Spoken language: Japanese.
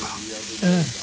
うん。